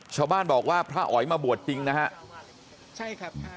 ชาวบ้านบอกว่าพระอ๋อยมาบวชจริงนะฮะใช่ครับ